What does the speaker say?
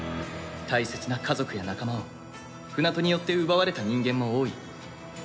大切な家族や仲間を舟戸によって奪われた人間も多い。